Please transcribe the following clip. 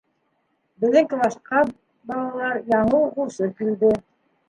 — Беҙҙең класҡа, балалар, яңы уҡыусы килде.